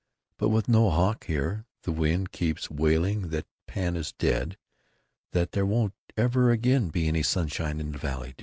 But with no Hawk here the wind keeps wailing that Pan is dead & that there won't ever again be any sunshine on the valley.